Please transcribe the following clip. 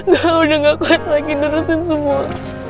gue udah gak kuat lagi nurusin semua